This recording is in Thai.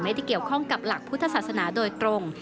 ที่เกี่ยวข้องกับหลักพุทธศาสนาโดยตรง